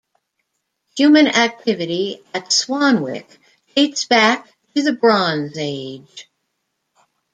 Human activity at Swanwick dates back to the bronze age.